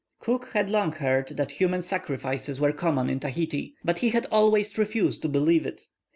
Cook had long heard that human sacrifices were common in Tahiti, but he had always refused to believe it.